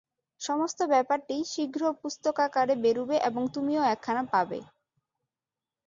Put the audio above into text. সমস্ত ব্যাপারটিই শীঘ্র পুস্তকাকারে বেরুবে এবং তুমিও একখানা পাবে।